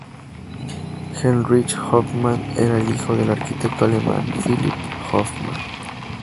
Heinrich Hoffmann era hijo del arquitecto alemán Philipp Hoffmann.